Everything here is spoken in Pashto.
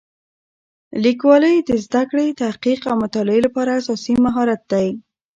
لیکوالی د زده کړې، تحقیق او مطالعې لپاره اساسي مهارت دی.